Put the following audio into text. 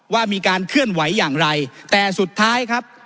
ว่ามีการเคลื่อนไหวอย่างไรแต่สุดท้ายครับ